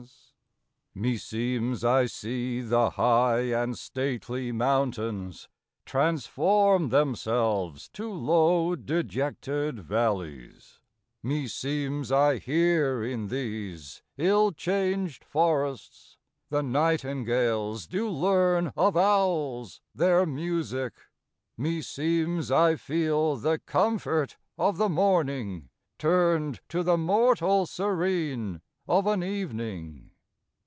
Strephon. Me seemes I see the high and stately mountaines , Trans for me themselves to lowe de jetted v allies : Me seemes I heare in these ill changed forrests , The Nightingales doo learne of Owles their musique : Me seemes I feele the comfort of the morning Turnde to the mortall serene of an evening.